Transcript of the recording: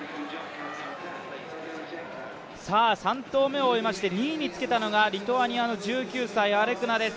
３投目を終えまして、２位につけたのがリトアニアの１９歳、アレクナです。